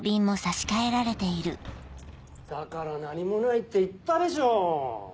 だから何もないって言ったでしょう！